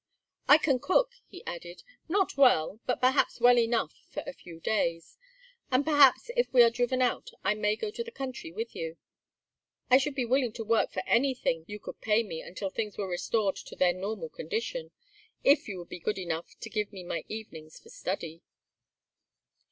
"I can cook," he added. "Not well, but perhaps well enough for a few days. And perhaps if we are driven out I may go to the country with you. I should be willing to work for anything you could pay me until things were restored to their normal condition if you would be good enough to give me my evenings for study."